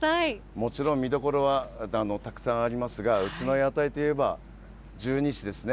もちろん見どころはたくさんありますが、うちの屋台といえば、十二支ですね。